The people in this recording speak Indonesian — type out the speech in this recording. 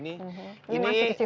ini masih kecil kecil ya